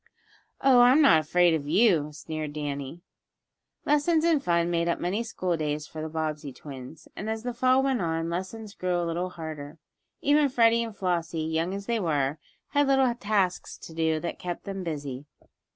"Oh, I'm not afraid of you," sneered Danny. Lessons and fun made up many school days for the Bobbsey twins. And, as the Fall went on, lessons grew a little harder. Even Freddie and Flossie, young as they were, had little tasks to do that kept them busy.